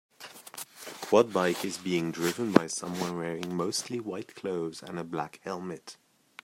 A quad bike is being driven by someone wearing mostly white clothes and a black helmet.